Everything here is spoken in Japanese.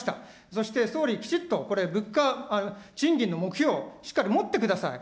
そして総理、きちっと、これ、物価、賃金の目標、しっかり持ってください。